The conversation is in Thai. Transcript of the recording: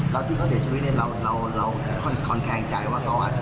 แล้วที่เขาเสียชีวิตเนี่ยเราเราเราคนแข่งจ่ายว่าเขา